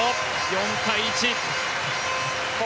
４対１。